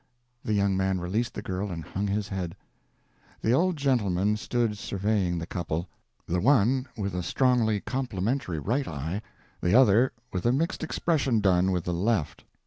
The young man released the girl and hung his head. p266.jpg (21K) The old gentleman stood surveying the couple—the one with a strongly complimentary right eye, the other with a mixed expression done with the left.